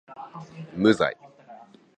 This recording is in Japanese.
無罪